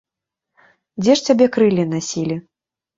Дзе ж цябе крыллі насілі?